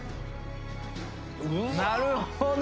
なるほど！